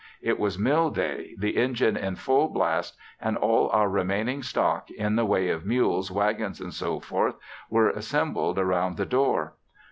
It was mill day, the engine in full blast and all our remaining stock in the way of mules, wagons &c. were assembled around the door.